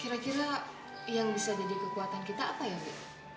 kira kira yang bisa jadi kekuatan kita apa ya bu